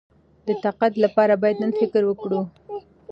د تقاعد لپاره باید نن فکر وکړو.